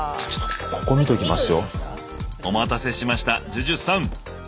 すごいわ。お待たせしましたＪＵＪＵさん！